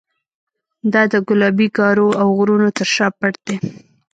دا د ګلابي ګارو او غرونو تر شا پټ دی.